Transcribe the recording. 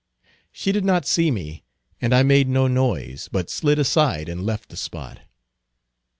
She did not see me, and I made no noise, but slid aside, and left the spot.